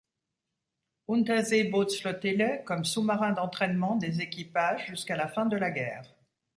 Unterseebootsflottille comme sous-marin d'entraînement des équipages jusqu'à la fin de la guerre.